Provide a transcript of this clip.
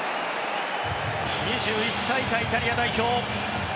２１歳以下イタリア代表。